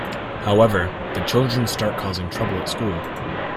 However, the children start causing trouble at school.